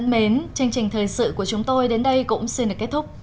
thân mến chương trình thời sự của chúng tôi đến đây cũng xin được kết thúc